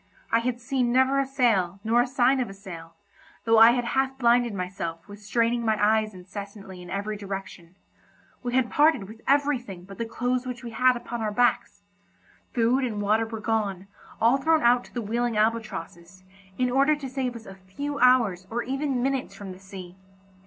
I had seen never a sail nor a sign of a sail, though I had half blinded myself with straining my eyes incessantly in every direction; we had parted with everything but the clothes which we had upon our backs; food and water were gone, all thrown out to the wheeling albatrosses, in order to save us a few hours or even minutes from the sea.